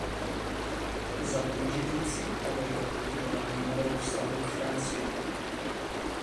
Za důležitý cíl považoval vybudování nového vztahu k Francii.